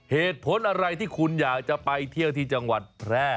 เหตุผลอะไรที่คุณอยากจะไปเที่ยวที่จังหวัดแพร่